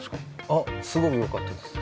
あっすごくよかったです。